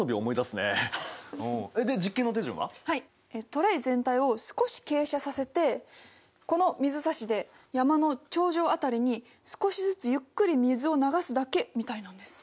トレー全体を少し傾斜させてこの水差しで山の頂上辺りに少しずつゆっくり水を流すだけみたいなんです。